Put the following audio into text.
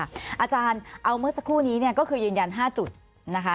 อาจารย์เอาเมื่อสักครู่นี้เนี่ยก็คือยืนยัน๕จุดนะคะ